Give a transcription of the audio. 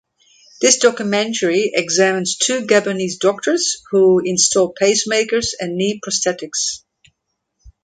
This documentary examines two Gabonese doctors who install pacemakers and knee prosthetics.